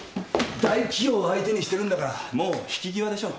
大企業を相手にしてるんだからもう引き際でしょ。